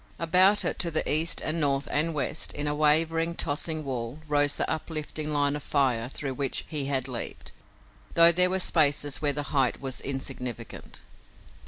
About it, to the east and north and west, in a wavering, tossing wall, rose the uplifting line of fire through which he had leaped, though there were spaces where the height was insignificant.